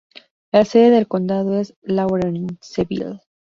La sede del condado es Lawrenceville.